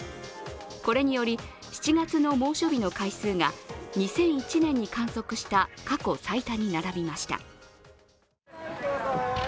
これにより、７月の猛暑日の回数が２００１年に観測した過去最多に並びました。